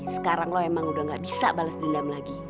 sekarang lo emang udah gak bisa balas dendam lagi